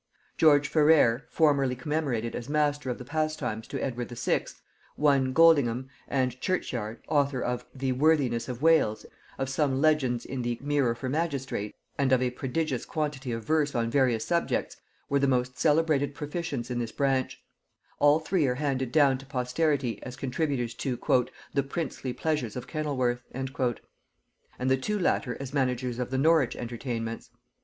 George Ferrers, formerly commemorated as master of the pastimes to Edward VI., one Goldingham, and Churchyard, author of "the Worthiness of Wales," of some legends in the "Mirror for Magistrates," and of a prodigious quantity of verse on various subjects, were the most celebrated proficients in this branch; all three are handed down to posterity as contributors to "the princely pleasures of Kennelworth," and the two latter as managers of the Norwich entertainments.